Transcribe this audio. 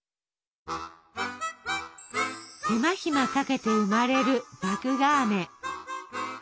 手間暇かけて生まれる麦芽あめ。